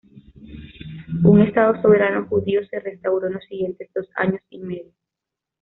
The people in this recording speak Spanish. Un Estado soberano judío se restauró en los siguientes dos años y medio.